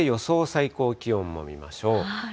最高気温も見ましょう。